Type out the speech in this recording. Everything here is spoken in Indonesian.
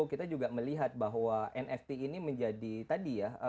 kita juga melihat bahwa nft ini menjadi tadi ya